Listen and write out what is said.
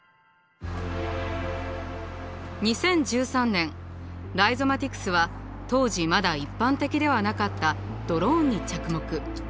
２０１３年ライゾマティクスは当時まだ一般的ではなかったドローンに着目。